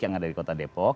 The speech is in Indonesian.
yang ada di kota depok